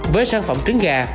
với sản phẩm trứng gà